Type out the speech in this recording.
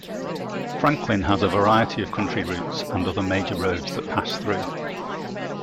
Franklin has a variety of county routes, and other major roads that pass through.